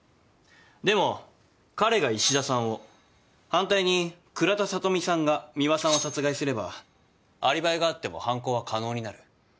でも彼が衣氏田さんを反対に倉田聡美さんが美和さんを殺害すればアリバイがあっても犯行は可能になる。